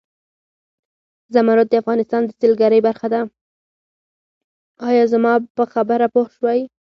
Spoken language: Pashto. ایا زما په خبره پوه شوئ؟